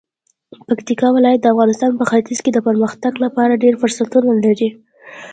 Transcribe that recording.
پکتیکا ولایت د افغانستان په ختیځ کې د پرمختګ لپاره ډیر فرصتونه لري.